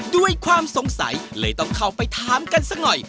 ด้วยความสงสัยเลยต้องเข้าไปถามกันสักหน่อย